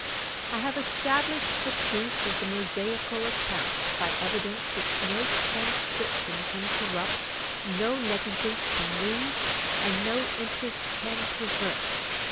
I have established the truth of the Mosaical account, by evidence which no transcription can corrupt, no negligence can lose, and no interest can pervert.